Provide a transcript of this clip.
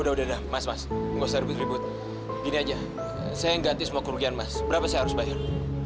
udah udah dah mas mas nggak usah ribut ribut gini aja saya ganti semua kerugian mas berapa saya harus bayar